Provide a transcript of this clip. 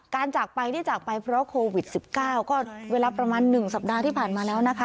จากไปได้จากไปเพราะโควิด๑๙ก็เวลาประมาณ๑สัปดาห์ที่ผ่านมาแล้วนะคะ